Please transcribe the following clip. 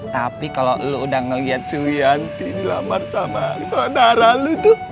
tapi kalo lu udah ngeliat suyanti dilamar sama sodara lu tuh